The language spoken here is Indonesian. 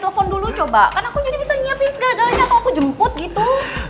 telepon dulu coba karena aku jadi bisa nyiapin segala galanya atau aku jemput gitu